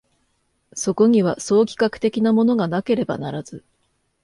そこには総企画的なものがなければならず、